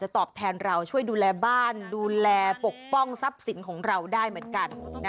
๖ตัวเนี่ยดูนะสีสีขาว๓สีเข้ม๓